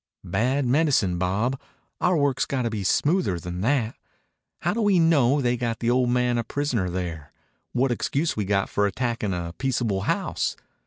"Bad medicine, Bob. Our work's got to be smoother than that. How do we know they got the old man a prisoner there? What excuse we got for attacktin' a peaceable house?